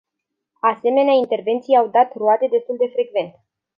Asemenea intervenții au dat roade destul de frecvent.